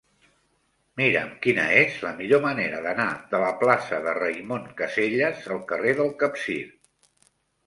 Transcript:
Mira'm quina és la millor manera d'anar de la plaça de Raimon Casellas al carrer del Capcir.